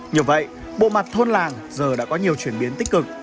nhờ vậy bộ mặt thôn làng giờ đã có nhiều chuyển biến tích cực